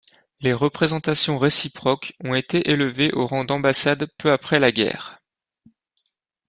Les représentations réciproques ont été élevées au rang d'ambassades peu après la guerre.